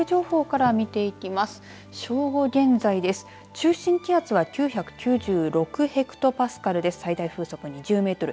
中心気圧は９９６ヘクトパスカルで最大風速２０メートル。